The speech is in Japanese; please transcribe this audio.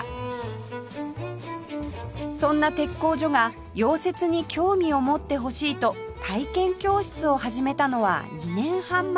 そんな鉄工所が溶接に興味を持ってほしいと体験教室を始めたのは２年半前の事